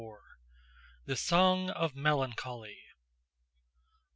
LXXIV. THE SONG OF MELANCHOLY.